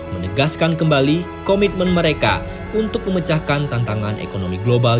menegaskan kembali komitmen mereka untuk memecahkan tantangan ekonomi global